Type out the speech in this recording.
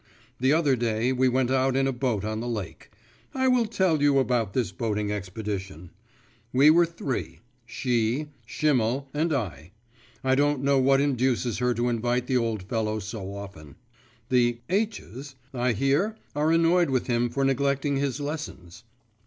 The other day we went out in a boat on the lake. I will tell you about this boating expedition. We were three: she, Schimmel, and I. I don't know what induces her to invite the old fellow so often. The H s, I hear, are annoyed with him for neglecting his lessons.